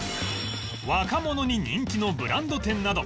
若者に人気のブランド店など